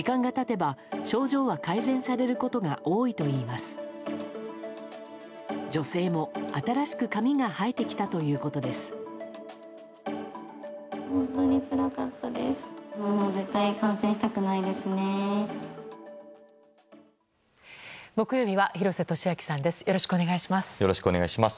よろしくお願いします。